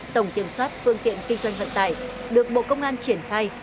tổng kiểm soát phương tiện kinh doanh vận tải được bộ công an triển khai